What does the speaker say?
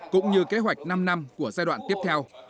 cũng như kế hoạch năm năm của giai đoạn tiếp theo